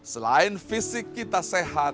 selain fisik kita sehat